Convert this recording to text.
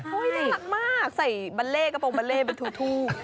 น่ารักมากใส่บัลเล่กระโปรงบาเล่บรรทูทู